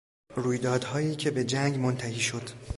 رویدادهایی که به جنگ منتهی شد